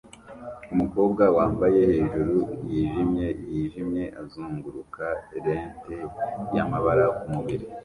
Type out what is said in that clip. umukobwa wambaye hejuru yijimye yijimye azunguruka lente yamabara kumubiri